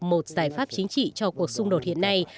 một giải pháp chính trị cho cuộc xung đột hiện nay